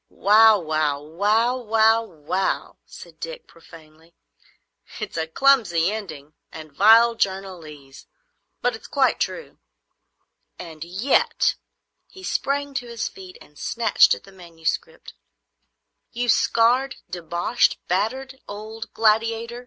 "Wow—wow—wow—wow—wow!" said Dick, profanely. "It's a clumsy ending and vile journalese, but it's quite true. And yet,"—he sprang to his feet and snatched at the manuscript,—"you scarred, deboshed, battered old gladiator!